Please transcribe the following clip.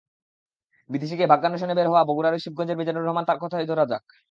বিদেশে গিয়ে ভাগ্যান্বেষণে বের হওয়া বগুড়ার শিবগঞ্জের মিজানুর রহমানের কথাই ধরা যাক।